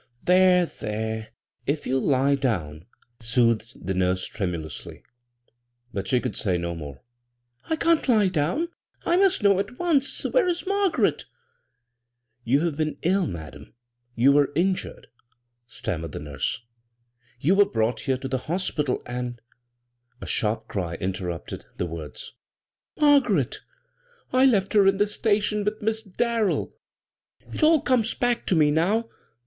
"There, there ; if you'll lie down," soothed the nurse tremulously ; but she could say no more. " I can't lie down. I must know at once. Where is Margaret ?" "You have been ill, madam. You were injured," stammered the nurse. " You were brought here to the hospital, and " A sbaq> cry interrupted the words. " Margaret I I left her in the station with Miss DarrelL It all comes back to me now.